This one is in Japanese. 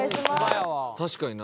確かにな。